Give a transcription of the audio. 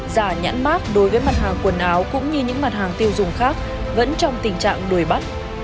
giả nhãn mát đối với mặt hàng quần áo cũng như những mặt hàng tiêu dùng khác vẫn trong tình trạng đuổi bắt